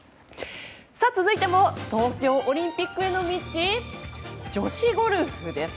続いても東京オリンピックへの道女子ゴルフです。